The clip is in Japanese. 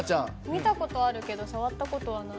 見た事あるけど触った事はない。